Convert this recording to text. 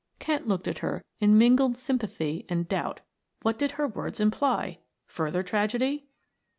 Kent looked at her in mingled sympathy and doubt. What did her words imply further tragedy?